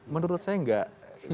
menurut saya tidak